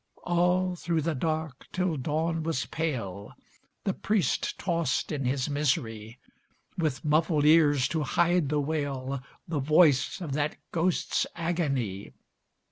All through the dark, till dawn was pale, The priest tossed in his misery, With muffled ears to hide the wail, The voice of that ghost's agony.